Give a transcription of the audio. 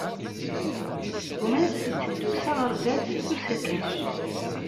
Gma-s itteddu s aɣerbaz s usakac.